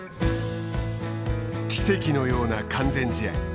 奇跡のような完全試合。